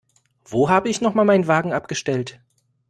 Wo habe ich noch mal meinen Wagen abgestellt?